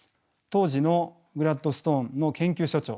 当時のグラッドストーンの研究所長。